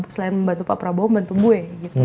selain membantu pak prabowo membantu gue gitu